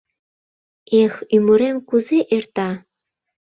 Эх, ӱмырем кузе эрта: